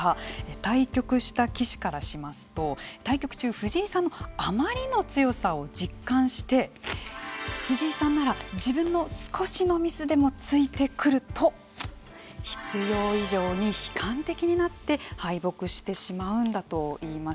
対局した棋士からしますと対局中藤井さんのあまりの強さを実感して藤井さんなら自分の少しのミスでもついてくると必要以上に悲観的になって敗北してしまうんだといいます。